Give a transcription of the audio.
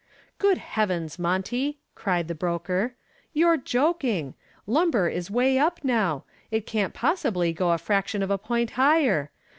"Good heavens, Monty," cried the broker, "you're joking. Lumber is away up now. It can't possibly go a fraction of a point higher.